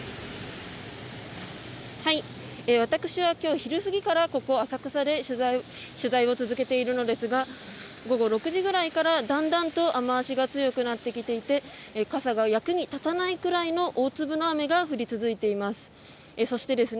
私は今日昼過ぎからここ浅草で取材を続けているのですが午後６時ぐらいからだんだんと雨脚が強くなってきていて傘が役に立たないくらいの大粒の雨が降り続いています。